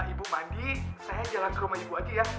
ibu mandi saya jalan ke rumah ibu aja ya